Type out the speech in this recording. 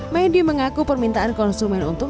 medi mengaku permintaan konsumen untuk